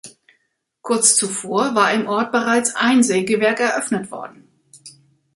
Kurz zuvor war im Ort bereits ein Sägewerk eröffnet worden.